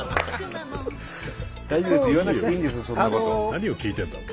何を聞いてんだ？